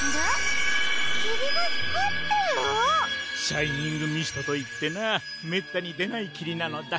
シャイニングミストといってなめったにでないきりなのだ。